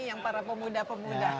yang para pemuda pemuda